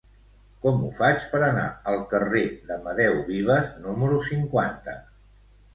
Com ho faig per anar al carrer d'Amadeu Vives número cinquanta?